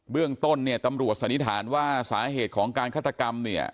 เรื่องต้นเนี่ยตำรวจสันนิษฐานว่าสาเหตุของการฆาตกรรมเนี่ย